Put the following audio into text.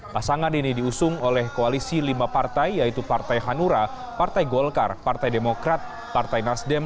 pasangan ini diusung oleh koalisi lima partai yaitu partai hanura partai golkar partai demokrat partai nasdem